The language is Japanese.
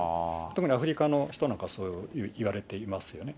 特にアフリカの人なんかそういうふうにいわれていますよね。